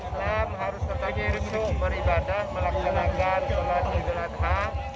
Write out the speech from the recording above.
islam harus tetap diribu ribu beribadah melaksanakan sholat idul adha